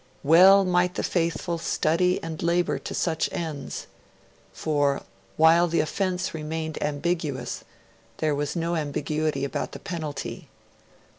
Well might the faithful study and labour to such ends! For, while the offence remained ambiguous, there was no ambiguity about the penalty.